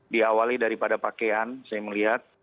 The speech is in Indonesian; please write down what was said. diawali daripada pakaian saya melihat